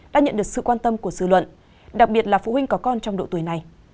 đã nhận được sự quan tâm của dư luận đặc biệt là phụ huynh có con trong độ tuổi này